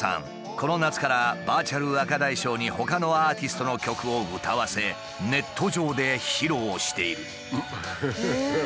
この夏からバーチャル若大将にほかのアーティストの曲を歌わせネット上で披露している。